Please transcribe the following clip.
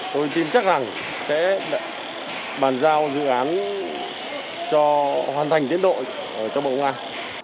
tôi tin chắc rằng sẽ bàn giao dự án cho hoàn thành tiến độ cho bộ ngoại